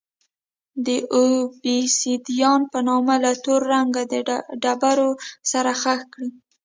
د اوبسیدیان په نامه له تور رنګه ډبرو سره ښخ کړي.